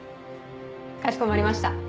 かしこまりました